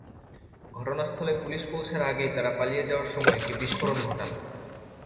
ঘটনাস্থলে পুলিশ পৌঁছার আগেই তাঁরা পালিয়ে যাওয়ার সময় একটি বিস্ফোরণ ঘটান।